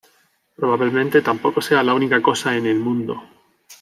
Probablemente tampoco sea la única 'cosa' en el mundo".